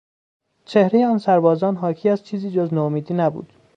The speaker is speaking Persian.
چهرهی آن سربازان حاکی از چیزی جز نومیدی نبود.